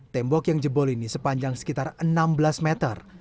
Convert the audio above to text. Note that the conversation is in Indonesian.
tembok yang jebol ini sepanjang sekitar enam belas meter